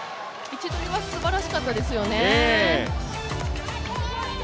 位置取りはすばらしかったですよね。